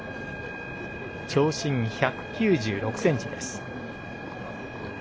長身１９６ｃｍです。